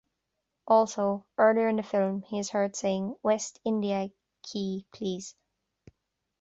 Also, earlier in the film, he is heard saying West India Quay please!